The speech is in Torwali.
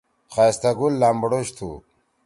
خائستہ گل لامبڑوش تُھو۔